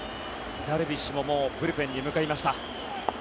ダルビッシュももうブルペンに向かいました。